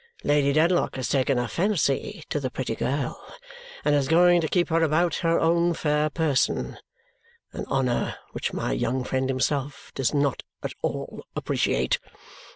Lady Dedlock has taken a fancy to the pretty girl and is going to keep her about her own fair person an honour which my young friend himself does not at all appreciate.